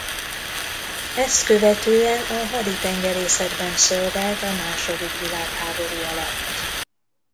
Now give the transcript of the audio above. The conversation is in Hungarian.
Ezt követően a haditengerészetben szolgált a második világháború alatt.